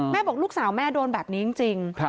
บอกลูกสาวแม่โดนแบบนี้จริง